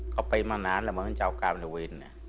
เขาไปมานานแล้วเหมือนเจ้ากรรมลิวิน